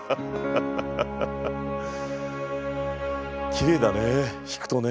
きれいだね引くとね。